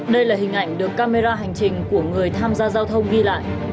đây là hình ảnh được camera hành trình của người tham gia giao thông ghi lại